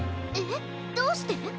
えっどうして？